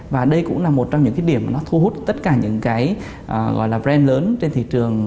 và đây cũng là một trong những cái điểm mà nó thu hút tất cả những cái gọi là brand lớn trên thị trường